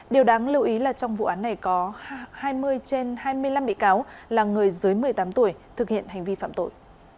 điều đáng lưu ý là trong vụ án này có hai mươi trên hai mươi năm bị cáo là người dưới một mươi tám tuổi thực hiện hành vi phạm tội